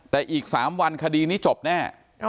แต่อีก๓วันคดีนี้จบแน่